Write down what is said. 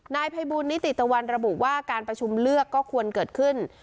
นายภัยบูลนิติตะวันระบุว่าการประชุมเลือกก็ควรเกิดขึ้น